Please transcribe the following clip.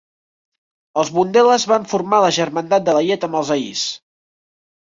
Els Bundelas van formar la "Germandat de la llet" amb els ahirs.